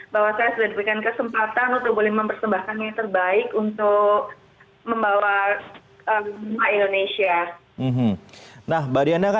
bahwa saya sudah diberikan kesempatan untuk mempersembahkannya terbaik untuk membawa rumah indonesia